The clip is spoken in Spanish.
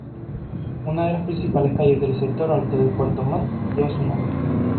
Una de las principales calles del sector alto de Puerto Montt lleva su nombre.